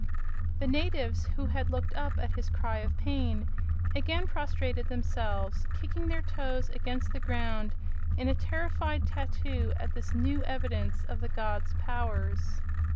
The natives, who had looked up at his cry of pain, again prostrated themselves, kicking their toes against the ground in a terrified tattoo at this new evidence of the god's powers.